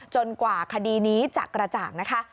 กว่าคดีนี้จะกระจ่างนะคะ